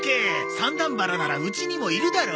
三段腹なら家にもいるだろ。